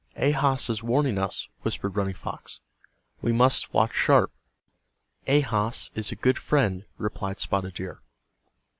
"Ahas is warning us," whispered Running Fox. "We must watch sharp." "Ahas is a good friend," replied Spotted Deer.